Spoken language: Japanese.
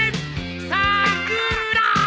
さ・く・ら！